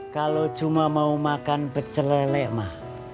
kalau cuma mau makan pecelele mah